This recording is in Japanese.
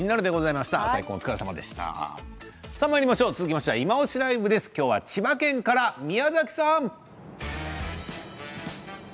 続きましては「いまオシ！ＬＩＶＥ」です。今日は千葉県から宮崎さん。